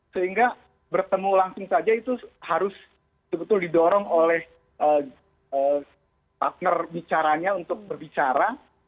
sehingga bertemu langsung saja itu harus betul betul didorong oleh partner bicaranya untuk berbicara